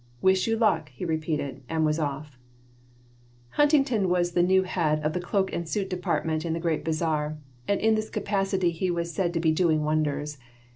"Wish you luck," he repeated, and was off Huntington was the new head of the cloak and suit department in the Great Bazar, and in this capacity he was said to be doing wonders.